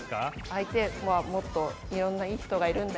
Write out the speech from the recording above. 相手はもっといろんないい人がいるんだよって。